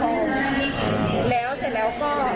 ก็แล้วเสร็จแล้วก็